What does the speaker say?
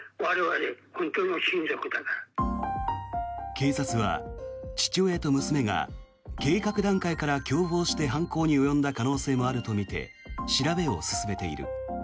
警察は、父親と娘が計画段階から共謀して犯行に及んだ可能性もあるとみて調べを進めている。